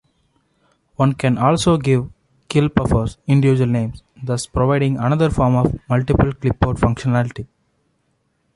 One can also give kill-buffers individual names, thus providing another form of multiple-clipboard functionality.